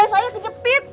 badan saya kejepit